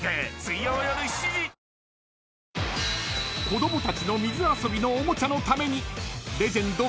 ［子供たちの水遊びのおもちゃのためにレジェンド］